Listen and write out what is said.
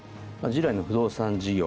従来の不動産事業